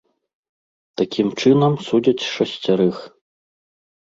Такім чынам, судзяць шасцярых.